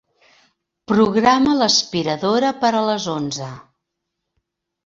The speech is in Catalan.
Programa l'aspiradora per a les onze.